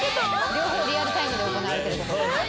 両方リアルタイムで行われてる事です。